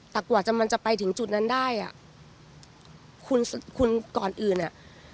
แต่กว่าจะมันจะไปถึงจุดนั้นได้อ่ะคุณคุณก่อนอื่นอ่ะ